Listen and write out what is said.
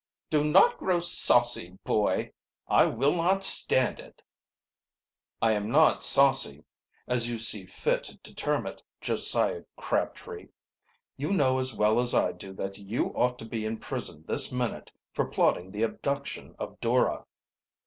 "Do not grow saucy, boy; I will not stand it." "I am not saucy, as you see fit to term it, Josiah Crabtree. You know as well as I do that you ought to be in prison this minute for plotting the abduction of Dora."